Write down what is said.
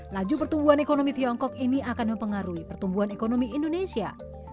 laju pertumbuhan ekonomi tiongkok ini akan mempengaruhi pertumbuhan ekonomi indonesia